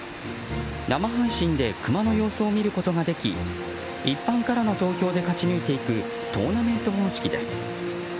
生配信でクマの様子を見ることができ一般からの投票で勝ち抜いていくトーナメント方式です。